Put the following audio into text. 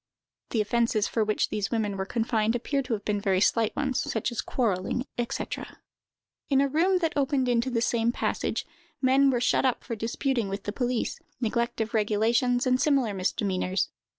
The offences for which these women were confined appear to have been very slight ones, such as quarrelling, &c. In a room that opened into the same passage, men were shut up for disputing with the police, neglect of regulations, and similar misdemeanors.